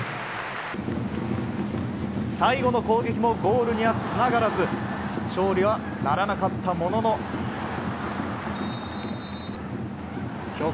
最後の攻撃もゴールにはつながらず勝利はならなかったものの強豪